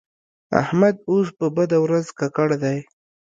احمد اوس په بده ورځ ککړ دی.